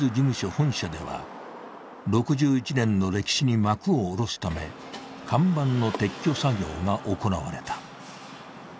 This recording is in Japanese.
本社では６１年の歴史に幕を下ろすため看板の撤去作業が行われた。